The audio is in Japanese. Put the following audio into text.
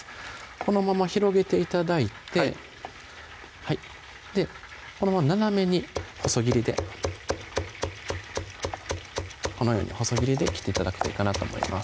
このまま広げて頂いてはいこのまま斜めに細切りでこのように細切りで切って頂くといいかなと思います